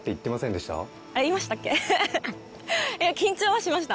いや緊張はしました。